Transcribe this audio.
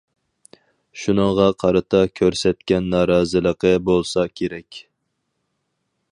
شۇنىڭغا قارىتا كۆرسەتكەن نارازىلىقى بولسا كېرەك.